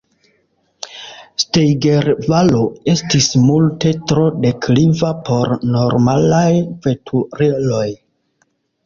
Steiger-valo estis multe tro dekliva por normalaj veturiloj.